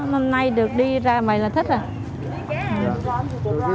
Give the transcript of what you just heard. hôm nay được đi ra vậy là thích rồi